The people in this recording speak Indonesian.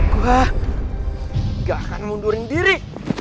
gue gak akan ngundurin diri